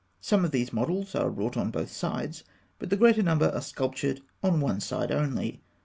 Some of these models are wrought on both sides; but the greater number are sculptured on one side only.